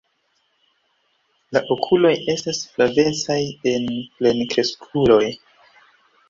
La okuloj estas flavecaj en plenkreskuloj.